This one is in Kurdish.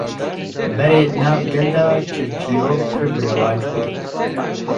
Berê di nav gel de çîrçîrok pir bi rewac bû